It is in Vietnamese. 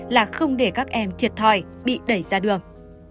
là không để các em thiệt thòi bị đẩy ra đường